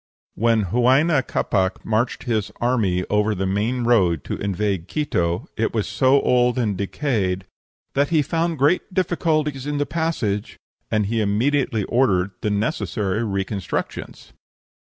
When Huayna Capac marched his army over the main road to invade Quito, it was so old and decayed "that he found great difficulties in the passage," and he immediately ordered the necessary reconstructions.